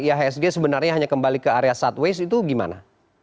ihsg sebenarnya hanya kembali ke area sideways itu gimana